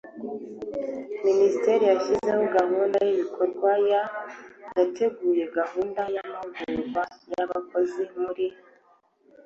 minisiteri yashyizeho gahunda y ibikorwa ya yateguye gahunda y amahugurwa y abakozi muri